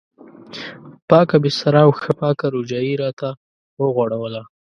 پاکه بستره او ښه پاکه رجایي یې راته وغوړوله.